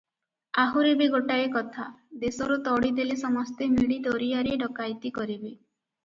ଆହୁରି ବି ଗୋଟାଏ କଥା, ଦେଶରୁ ତଡ଼ି ଦେଲେ ସମସ୍ତେ ମିଳି ଦରିଆରେ ଡକାଏତି କରିବେ ।